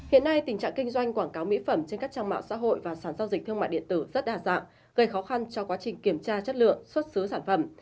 hiện nay tình trạng kinh doanh quảng cáo mỹ phẩm trên các trang mạng xã hội và sản giao dịch thương mại điện tử rất đa dạng gây khó khăn cho quá trình kiểm tra chất lượng xuất xứ sản phẩm